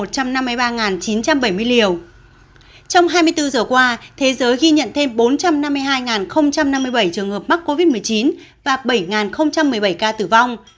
trong hai mươi bốn giờ qua thế giới ghi nhận thêm bốn trăm năm mươi hai năm mươi bảy trường hợp mắc covid một mươi chín và bảy một mươi bảy ca tử vong